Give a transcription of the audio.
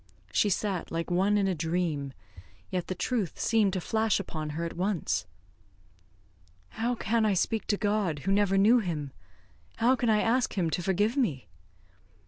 She sat like one in a dream; yet the truth seemed to flash upon her at once. "How can I speak to God, who never knew Him? How can I ask Him to forgive me?"